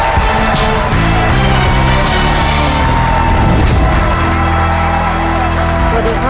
เกมที่จะช่วยต่อลมหายใจให้กับคนในครอบครัวครับ